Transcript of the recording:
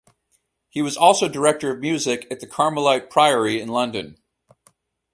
He was also director of music at the Carmelite priory in London.